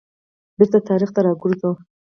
بیرته تاریخ ته را وګرځو.